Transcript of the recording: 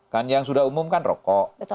kan yang sudah umum kan rokok